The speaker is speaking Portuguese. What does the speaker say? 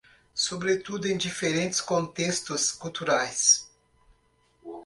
Sobretudo em diferentes contextos culturais